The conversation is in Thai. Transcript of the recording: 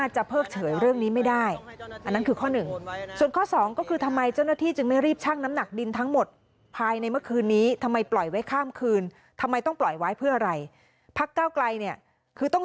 จะเพิ่งเฉยเรื่องนี้ไม่ได้อันนั้นคือข้อหนึ่ง